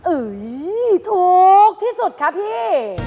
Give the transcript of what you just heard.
อุ๊ยถูกที่สุดค่ะพี่